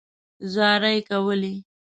زارۍ کولې.